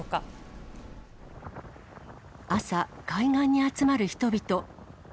朝、海岸に集まる人々。